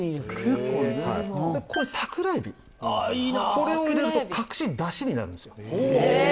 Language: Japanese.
これを入れると隠し出汁になるんですよ。